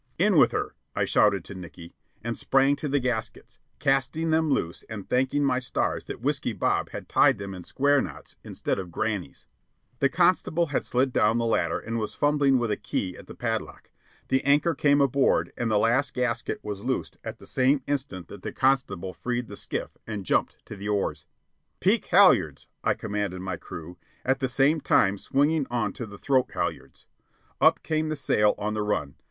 "In with her!" I shouted to Nickey, and sprang to the gaskets, casting them loose and thanking my stars that Whiskey Bob had tied them in square knots instead of "grannies." The constable had slid down the ladder and was fumbling with a key at the padlock. The anchor came aboard and the last gasket was loosed at the same instant that the constable freed the skiff and jumped to the oars. "Peak halyards!" I commanded my crew, at the same time swinging on to the throat halyards. Up came the sail on the run.